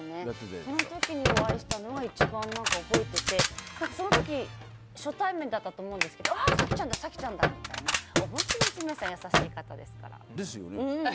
その時にお会いしたのが一番覚えてて、初対面だったと思うんですけど早紀ちゃんだ早紀ちゃんだって本当に優しい方ですから。